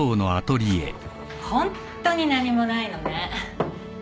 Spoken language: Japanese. ホントに何もないのね。